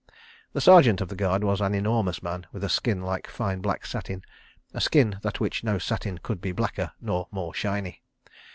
The Sergeant of the Guard was an enormous man with a skin like fine black satin, a skin than which no satin could be blacker nor more shiny.